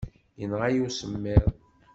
Yenɣa-iyi usemmiḍ.